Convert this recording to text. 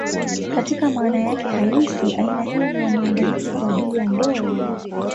Katika maana yake halisi, aina hiyo ni ya maandalizi kwa ajili ya ndoa.